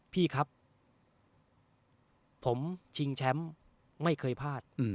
พี่ครับผมชิงแชมป์ไม่เคยพลาด